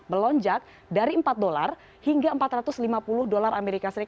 melonjak dari empat dolar hingga empat ratus lima puluh dolar as